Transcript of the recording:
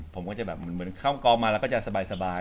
ผมก็จะแบบเหมือนเข้ากองมาแล้วก็จะสบาย